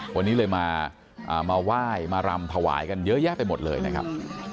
วันนี้เลยมาไหว้มารำถวายกันเยอะแยะไปหมดเลยนะครับ